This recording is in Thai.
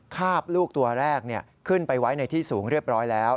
คาบลูกตัวแรกขึ้นไปไว้ในที่สูงเรียบร้อยแล้ว